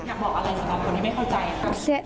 อยากบอกอะไรสำหรับคนที่ไม่เข้าใจครับ